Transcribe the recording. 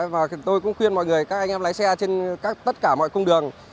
và tôi cũng khuyên mọi người các anh em lái xe trên tất cả mọi cung đường